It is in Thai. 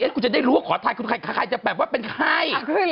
โอ๊ยจะไปรู้ไม่รู้มีไข้ตอนไหน